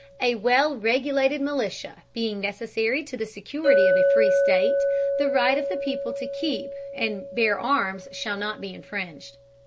A well regulated Militia, being necessary to the security of a free State, the right of the people to keep and bear Arms, shall not be infringed.